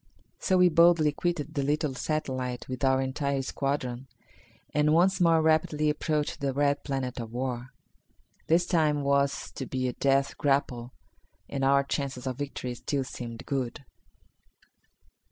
So we boldly quitted the little satellite with our entire squadron and once more rapidly approached the red planet of war. This time it was to be a death grapple and our chances of victory still seemed good.